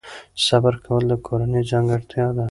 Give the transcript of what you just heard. صبر کول د کورنۍ ځانګړتیا ده.